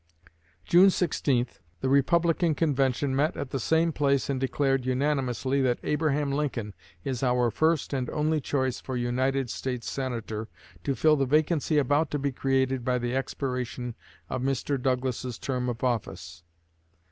June 16 the Republican convention met at the same place and declared unanimously that "Abraham Lincoln is our first and only choice for United States Senator to fill the vacancy about to be created by the expiration of Mr. Douglas's term of office."